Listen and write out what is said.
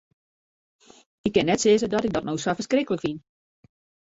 Ik kin net sizze dat ik dat no sa ferskriklik fyn.